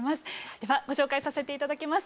ではご紹介させて頂きます。